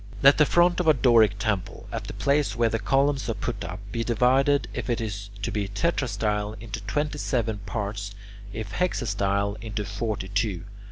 Let the front of a Doric temple, at the place where the columns are put up, be divided, if it is to be tetrastyle, into twenty seven parts; if hexastyle, into forty two.